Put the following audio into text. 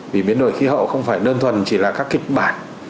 vì biến đổi khí hậu không phải đơn thuần chỉ là các kịch bản